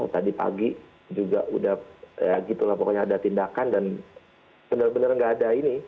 tadi pagi juga udah ya gitu lah pokoknya ada tindakan dan benar benar nggak ada ini